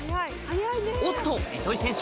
おっと糸井選手